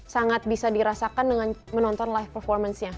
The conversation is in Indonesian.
sangat bisa dirasakan dengan menonton live performance nya